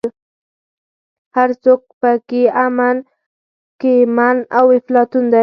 هر څوک په کې من او افلاطون دی.